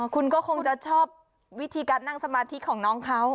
คุณก็คงจะชอบวิธีการนั่งสมาธิของน้องเขา